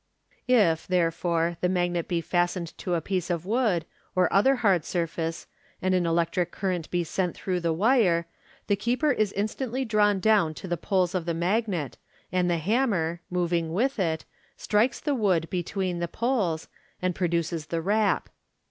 If, therefore, the magnet be fastened to a piece of wood, or other hard surface, and an electric current be sent through the wire, the keeper is instantly drawn down to the poles of the magnet, and the hammer, moving with it, strikes the wood between the poles, and produces the rap.